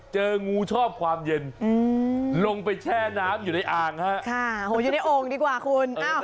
เจองูชอบความเย็นลงไปแช่น้ำอยู่ในอ่างฮะค่ะโหอยู่ในโอ่งดีกว่าคุณ